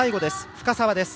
深沢です。